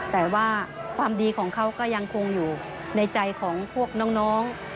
แต่ว่าความดีของเขาก็ยังคงอยู่ในใจของพวกน้อง